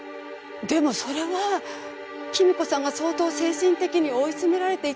でもそれは貴美子さんが相当精神的に追い詰められていた時に。